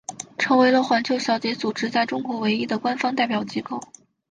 成为了环球小姐组织在中国唯一的官方代表机构。